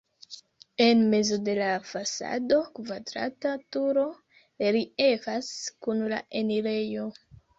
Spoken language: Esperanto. En mezo de la fasado kvadrata turo reliefas kun la enirejo.